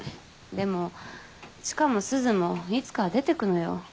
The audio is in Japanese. でも千佳もすずもいつかは出てくのよ。